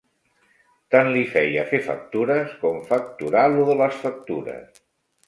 Tant li feia fer factures com facturar lo de les factures